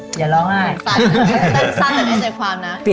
จริงเหรอ